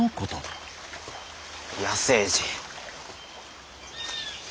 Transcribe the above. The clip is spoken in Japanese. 野生児。